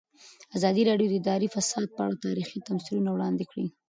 ازادي راډیو د اداري فساد په اړه تاریخي تمثیلونه وړاندې کړي.